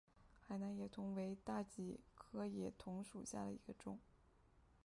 海南野桐为大戟科野桐属下的一个种。